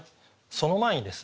その前にですね